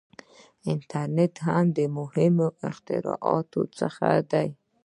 • انټرنېټ هم د مهمو اختراعاتو څخه دی.